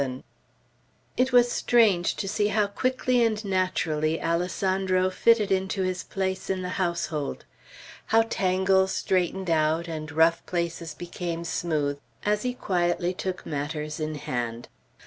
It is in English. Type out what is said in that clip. VII IT was strange to see how quickly and naturally Alessandro fitted into his place in the household. How tangles straightened out, and rough places became smooth, as he quietly took matters in hand.